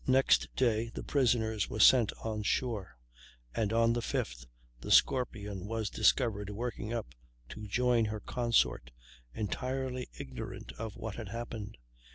Next day the prisoners were sent on shore; and on the 5th the Scorpion was discovered working up to join her consort, entirely ignorant of what had happened.